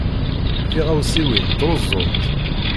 Tiɣawsiwin ttruẓunt.